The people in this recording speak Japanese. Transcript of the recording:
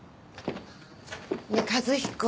ねえ和彦